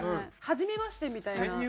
「はじめまして」みたいな。